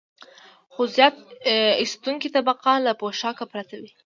خو زیار ایستونکې طبقه له پوښاک پرته وي